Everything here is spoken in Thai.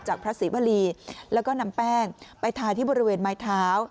พระศรีวรีแล้วก็นำแป้งไปทาที่บริเวณไม้เท้า